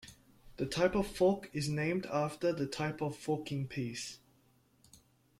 The type of fork is named after the type of forking piece.